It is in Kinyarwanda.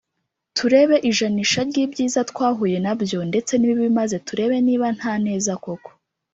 turebe ijanisha ry ibyiza twahuye na byo ndetse nibibi maze turebe niba nta neza koko.